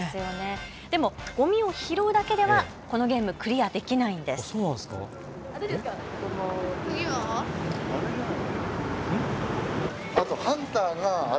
でもごみを拾うだけではこのゲーム、クリアできないんですよね。